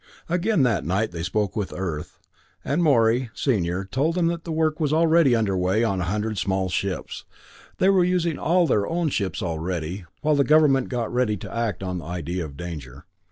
Again that night they spoke with Earth, and Morey, Senior, told them that work was already under way on a hundred small ships. They were using all their own ships already, while the Government got ready to act on the idea of danger.